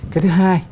cái thứ hai